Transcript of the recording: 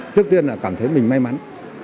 trước tiên là cảm thấy mình may mắn